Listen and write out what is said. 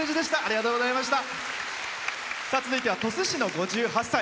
続いては鳥栖市の５８歳。